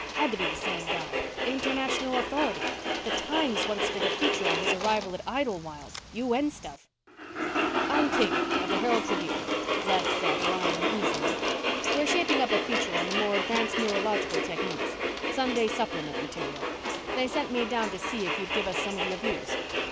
Had to be the same guy. International authority. The Times once did a feature on his arrival at Idlewild. UN stuff. "I'm King of the Herald Tribune," Les said, lying easily. "We're shaping up a feature on the more advanced neurological techniques Sunday supplement material. They sent me down to see if you'd give us some of your views."